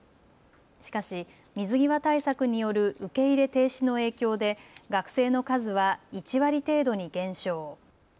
しかし水際対策による受け入れ停止の影響で学生の数は１割程度に減少。